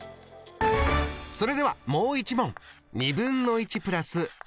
それではもう一問。